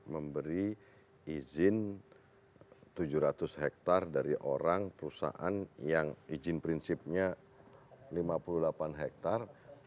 memberi izin tujuh ratus hektare dari orang perusahaan yang izin prinsipnya lima puluh delapan hektare